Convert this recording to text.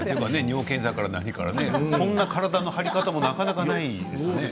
尿検査から何からこういう体の張り方もなかなかないですよね。